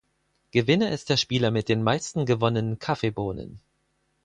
Gewinner ist der Spieler mit den meisten gewonnenen Kaffeebohnen.